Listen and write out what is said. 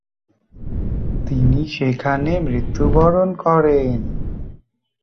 তিনি সেখানে মৃত্যুবরণ করেন।